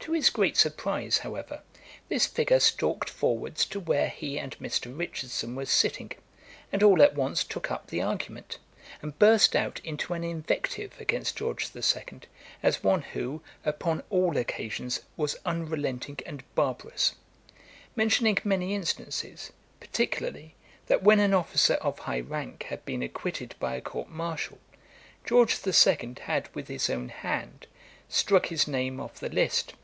To his great surprize, however, this figure stalked forwards to where he and Mr. Richardson were sitting, and all at once took up the argument, and burst out into an invective against George the Second, as one, who, upon all occasions, was unrelenting and barbarous; mentioning many instances, particularly, that when an officer of high rank had been acquitted by a Court Martial, George the Second had with his own hand, struck his name off the list.